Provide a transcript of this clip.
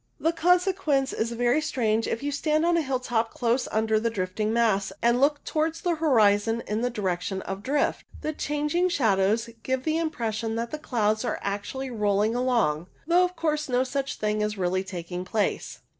The consequence is very strange if you stand on a hilltop close under the drifting mass, and look towards the horizon in the direction of drift. The changing shadows give the impression that the clouds are actually rolling along, though of course no such thing is really taking place.